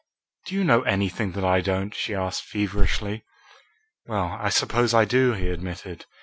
"Do you know anything that I don't?" she asked feverishly. "Well, I suppose I do," he admitted.